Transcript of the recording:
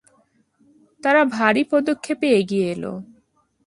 তারা ভারি পদক্ষেপে এগিয়ে এল।